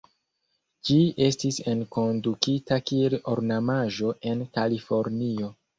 Ĝi estis enkondukita kiel ornamaĵo en Kalifornio.